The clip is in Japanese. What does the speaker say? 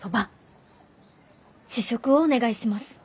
試食をお願いします。